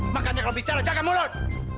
makanya kalau bicara jaga mulut